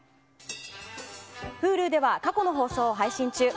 Ｈｕｌｕでは過去の放送を配信中。